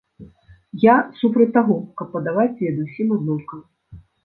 Я супраць таго, каб падаваць веды ўсім аднолькава.